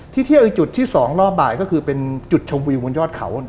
เที่ยวอีกจุดที่๒รอบบ่ายก็คือเป็นจุดชมวิวบนยอดเขา